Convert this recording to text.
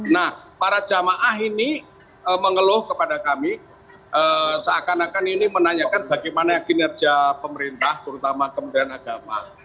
nah para jamaah ini mengeluh kepada kami seakan akan ini menanyakan bagaimana kinerja pemerintah terutama kementerian agama